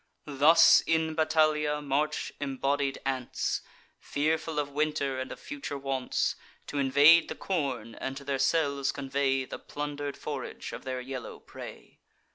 Thus, in battalia, march embodied ants, Fearful of winter, and of future wants, T' invade the corn, and to their cells convey The plunder'd forage of their yellow prey.